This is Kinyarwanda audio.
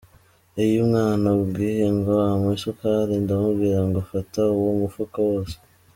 Iyo umwana ambwiye ngo mpa isukari ndamubwira ngo fata uwo mufuka wose.